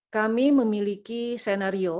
kami memiliki senario